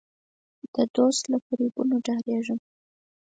د دوست له فریبونو ډارېږم.